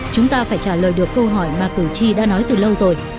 chúng ta phải trả lời được câu hỏi mà cử tri đã nói từ lâu rồi